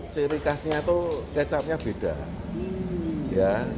ciri khasnya itu kecapnya beda ya